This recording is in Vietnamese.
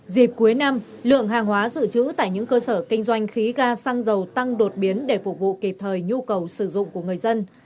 dịp cuối năm lượng hàng hóa dự trữ tại những cơ sở kinh doanh khí ga xăng dầu tăng đột biến để phục vụ kịp thời nhu cầu sử dụng của người dân